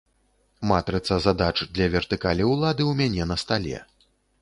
Матрыца задач для вертыкалі ўлады ў мяне на стале.